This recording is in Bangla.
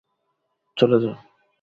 চলে যা!